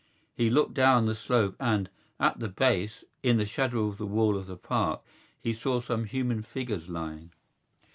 He looked down the slope and, at the base, in the shadow of the wall of the Park, he saw some human figures lying.